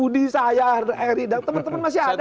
di sayar eridang teman teman masih ada